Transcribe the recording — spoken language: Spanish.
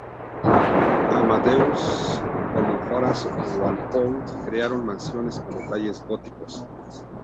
Amateurs como Horace Walpole crearon mansiones con detalles góticos.